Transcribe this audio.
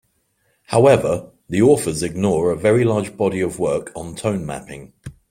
However, the authors ignore a very large body of work on tone mapping.